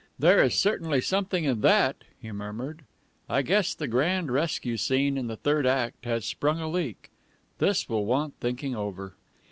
"There is certainly something in that," he murmured. "I guess the grand rescue scene in the third act has sprung a leak. This will want thinking over."